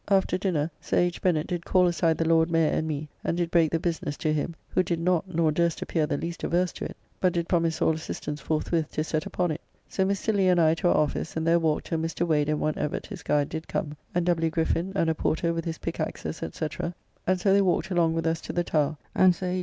After dinner, Sir H. Bennet did call aside the Lord Mayor and me, and did break the business to him, who did not, nor durst appear the least averse to it, but did promise all assistance forthwith to set upon it. So Mr. Lee and I to our office, and there walked till Mr. Wade and one Evett his guide did come, and W. Griffin, and a porter with his picke axes, &c. and so they walked along with us to the Tower, and Sir H.